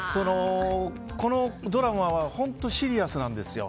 このドラマは本当にシリアスなんですよ。